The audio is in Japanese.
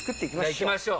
いきましょう。